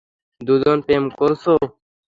দুজন প্রেম করছ?